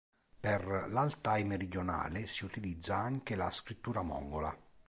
Per l'altai meridionale si utilizza anche la scrittura mongola.